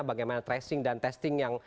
bagaimana tracing dan testing yang